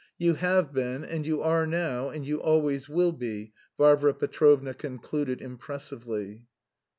You have been, and you are now, and you always will be," Varvara Petrovna concluded impressively.